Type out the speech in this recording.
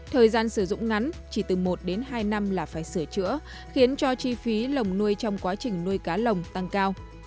thời gian sử dụng ngắn chỉ từ một đến hai năm là phải sửa chữa khiến cho chi phí lồng nuôi trong quá trình nuôi cá lồng tăng cao